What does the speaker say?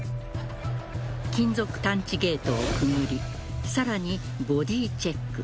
金属探知ゲートをくぐりさらにボディーチェック。